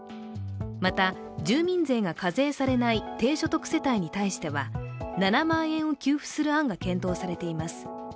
また、住民税が課税されない低所得世帯に対しては７万円を給付する案が検討されています。